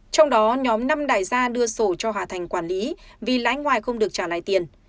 trong đó nhóm năm đại gia đưa sổ cho hà thành quản lý vì lãi ngoài không được trả lại tiền